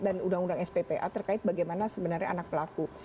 dan undang undang sppa terkait bagaimana sebenarnya anak pelaku